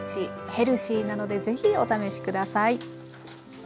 ヘルシーなのでぜひお試し下さい。